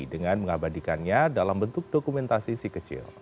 dengan mengabadikannya dalam bentuk dokumentasi si kecil